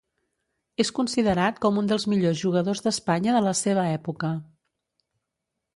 És considerat com un dels millors jugadors d'Espanya de la seva època.